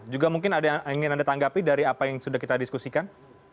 juga mungkin ada yang ingin anda tanggapi dari apa yang sudah kita diskusikan